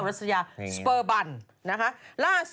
โอลี่คัมรี่ยากที่ใครจะตามทันโอลี่คัมรี่ยากที่ใครจะตามทัน